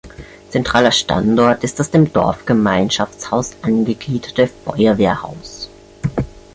Zentraler Standort ist das dem Dorfgemeinschaftshaus angegliederte Feuerwehrhaus.